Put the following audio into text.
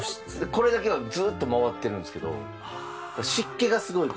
これだけはずっと回ってるんですけど。